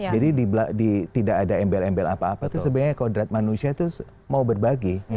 jadi di tidak ada embel embel apa apa tuh sebenarnya kodrat manusia tuh mau berbagi